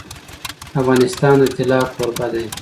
افغانستان د طلا کوربه دی.